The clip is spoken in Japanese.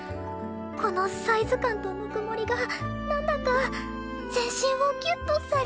このサイズ感とぬくもりがなんだか全身をギュッとされてるみたいで